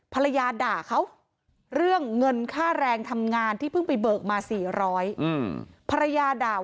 ภรรยาด่าเขาเรื่องเงินค่าแรงทำงานที่เพิ่งไปเบิกมา๔๐๐ภรรยาด่า